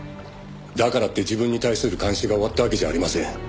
「だからって自分に対する監視が終わったわけじゃありません」